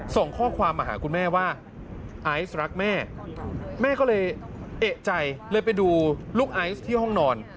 ส่งข้อความมาหาคุณแม่ว่าไอซ์รักแม่แม่ก็เลยเอกใจเลยไปดูลูกไอซ์ที่ห้องนอน